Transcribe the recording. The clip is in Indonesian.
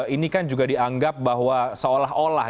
ini kan juga dianggap bahwa seolah olah